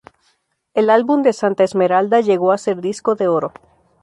El álbum de Santa Esmeralda llegó a ser disco de oro.